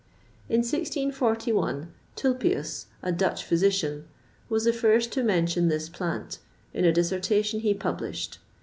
In 1641, Tulpius, a Dutch physician, was the first to mention this plant, in a dissertation he published.